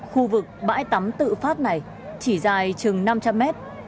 khu vực bãi tắm tự phát này chỉ dài chừng năm trăm linh mét